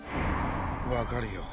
分かるよ。